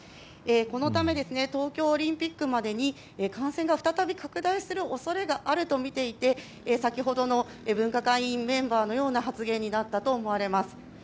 このため東京オリンピックまでに感染が再び拡大する恐れがあるとみていて先ほどの分科会メンバーのような発言になったと思われます。